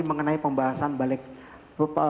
mengenai pembahasan balegda